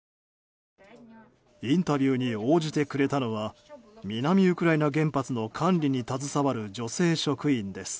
インタビューに応じてくれたのは南ウクライナ原発の管理に携わる女性職員です。